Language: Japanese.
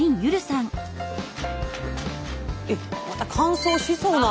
えっまた乾燥しそうな。